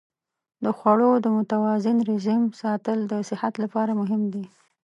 د خوړو د متوازن رژیم ساتل د صحت لپاره مهم دی.